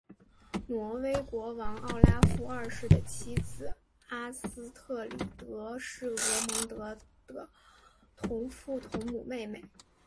挪威国王奥拉夫二世的妻子阿斯特里德是厄蒙德的同父同母妹妹。